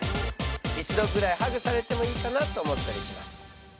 一度くらいハグされてもいいかなぁと思ったりします。